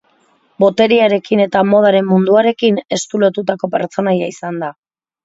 Boterearekin eta modaren munduarekin estu lotutako pertsonaia izan da.